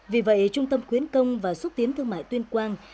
vì vậy trung tâm khuyến công và xuất tiến thương mại tuyên quang